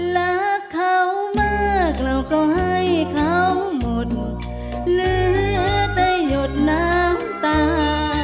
รักเขามากเราก็ให้เขาหมดเหลือแต่หยดน้ำตา